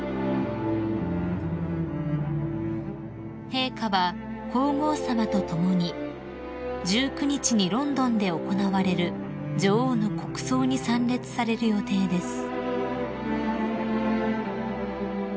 ［陛下は皇后さまと共に１９日にロンドンで行われる女王の国葬に参列される予定です］